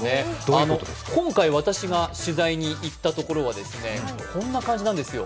今回、私が取材に行ったところはこんな感じなんですよ。